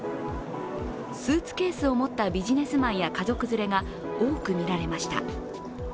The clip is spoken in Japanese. スーツケースを持ったビジネスマンや家族連れが多く見られました。